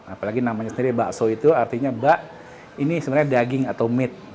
apalagi namanya sendiri bakso itu artinya bak ini sebenarnya daging atau mit